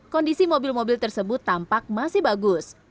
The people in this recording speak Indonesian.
kondisi mobil mobil tersebut tampak masih bagus